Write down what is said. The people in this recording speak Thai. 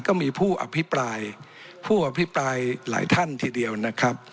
ก็มีผู้อภิปรายผู้อภิปรายหลายท่านทีเดียวนะครับ